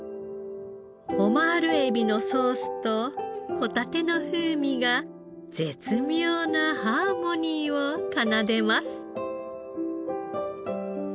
オマール海老のソースとホタテの風味が絶妙なハーモニーを奏でます。